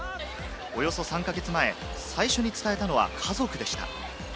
およそ３か月前、最初に伝えたのは家族でした。